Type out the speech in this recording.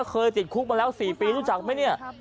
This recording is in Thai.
เคยติดคุกมาแล้ว๔ปีรู้จักไหมเนี่ย